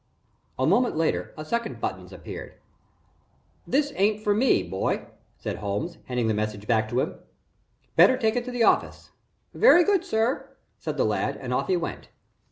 A moment later, a second buttons appeared. "This isn't for me, boy," said Holmes, handing the message back to him. "Better take it to the office." "Very good, sir," said the lad, and off he went.